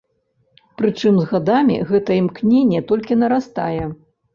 Прычым з гадамі гэтае імкненне толькі нарастае.